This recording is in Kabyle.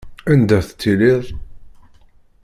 Anda tettiliḍ?